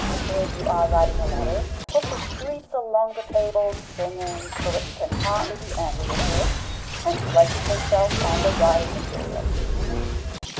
If you are writing a letter, Pussy creeps along the table, singing so that you can hardly be angry with her, and places herself on the writing materials.